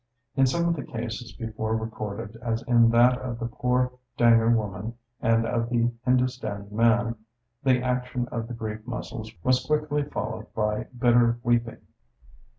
In some of the cases before recorded, as in that of the poor Dhangar woman and of the Hindustani man, the action of the grief muscles was quickly followed by bitter weeping.